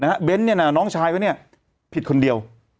เบนท์ที่เมื่อนี้นานน้องชายเขาเนี่ยพิดคนเดียว